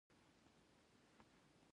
سیندونه د افغان ماشومانو د لوبو موضوع ده.